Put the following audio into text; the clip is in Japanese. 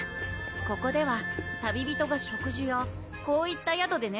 ここでは旅人が食事やこういった宿でね